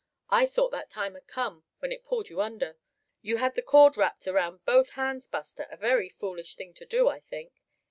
I thought that time had come when it pulled you under. You had the cord wrapped around both hands, Buster, a very foolish thing to do, I think.